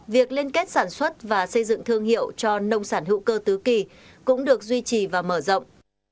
việc liên kết sản xuất và xây dựng thương hiệu cho nông sản hữu cơ tứ kỳ cũng được duy trì và mở rộng